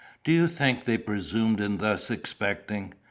Do you think they presumed in thus expecting?